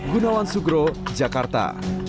gunawan sugro jakarta